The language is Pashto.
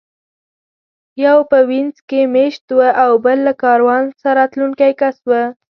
یو په وینز کې مېشت و او بل له کاروان سره تلونکی کس و